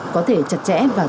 có thể chặt chẽ và tốt